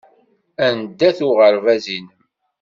Anda-t uɣerbaz-nnem?